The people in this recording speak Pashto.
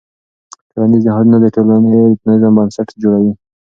ټولنیز نهادونه د ټولنې د نظم بنسټ جوړوي.